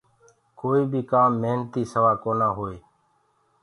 ڪوئي بي ڪآم محنتي سوآ ڪونآ هوئي۔